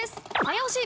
早押し。